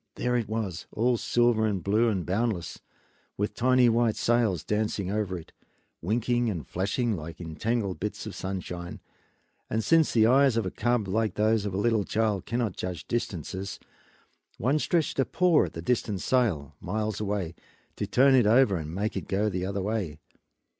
There it was, all silver and blue and boundless, with tiny white sails dancing over it, winking and flashing like entangled bits of sunshine; and since the eyes of a cub, like those of a little child, cannot judge distances, one stretched a paw at the nearest sail, miles away, to turn it over and make it go the other way.